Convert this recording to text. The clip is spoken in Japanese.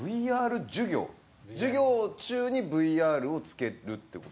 授業中にＶＲをつけるって事？